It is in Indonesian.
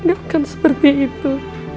nggak akan seperti itu